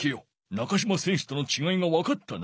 中島選手とのちがいがわかったな！